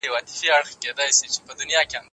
د ګمرک پخواني سیستم په دروازو کي څنګه کار کاوه؟